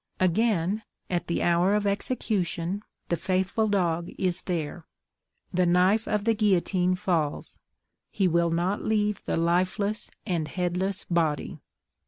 Again, at the hour of execution, the faithful dog is there; the knife of the guillotine falls he will not leave the lifeless and headless body.